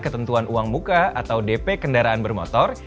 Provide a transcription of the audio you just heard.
ketentuan uang muka atau dp kendaraan bermotor